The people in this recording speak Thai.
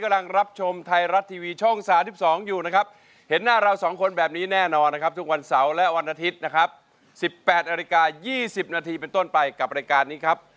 ๒๐นาทีเป็นต้นไปกับรายการนี้ครับ